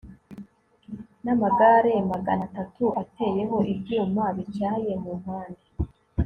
n'amagare magana atatu ateyeho ibyuma bityaye mu mpande